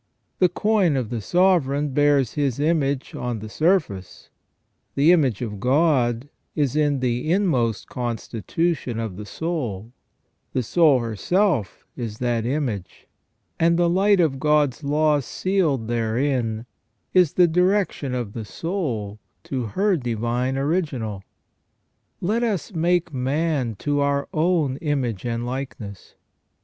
The coin of the sovereign bears his image on the surface ; the image of God is in the inmost constitution of the soul, the soul herself is that image, and the light of God's law sealed therein is the direction of the soul to her Divine Original. " Let us make man to our own image and likeness."